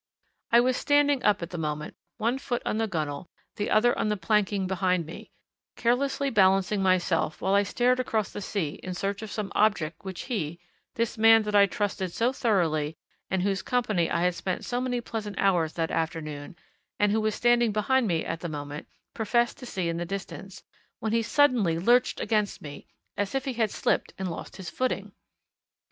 I was standing up at the moment, one foot on the gunwale, the other on the planking behind me, carelessly balancing myself while I stared across the sea in search of some object which he this man that I trusted so thoroughly and in whose company I had spent so many pleasant hours that afternoon, and who was standing behind me at the moment professed to see in the distance, when he suddenly lurched against me, as if he had slipped and lost his footing.